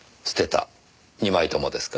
２枚ともですか？